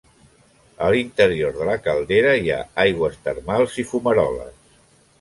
A l'interior de la caldera hi ha aigües termals i fumaroles.